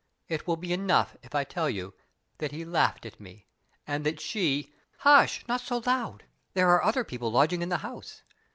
It will be enough if I tell you that he laughed at me, and that she " "Hush! not so loud. There are other people lodging in the house.